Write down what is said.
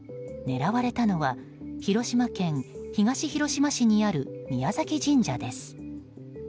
狙われたのは広島県東広島市にある宮崎神社です。